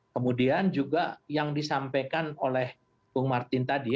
kemudian juga yang disampaikan oleh bung martin tadi